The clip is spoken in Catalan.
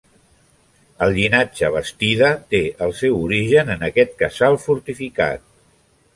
El llinatge Bastida té el seu origen en aquest casal fortificat.